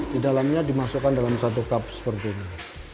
di dalamnya dimasukkan dalam satu kap seperti ini